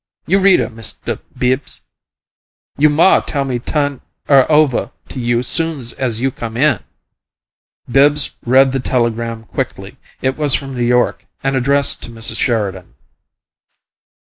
You read 'er, Mist' Bibbs you' ma tell me tuhn 'er ovuh to you soon's you come in." Bibbs read the telegram quickly. It was from New York and addressed to Mrs. Sheridan.